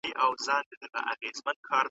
د ازاد بازار اصول په نړیواله کچه پلي کیږي.